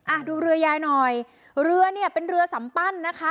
อ่ะดูเรือยายหน่อยเรือเนี่ยเป็นเรือสัมปั้นนะคะ